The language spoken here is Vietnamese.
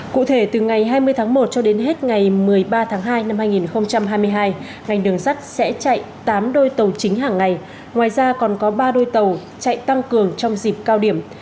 cụ thể từ ngày hai mươi tháng một cho đến hết ngày một mươi ba tháng hai năm hai nghìn hai mươi hai ngành đường sắt sẽ chạy tám đôi tàu chính hàng ngày ngoài ra còn có ba đôi tàu chạy tăng cường trong dịp cao điểm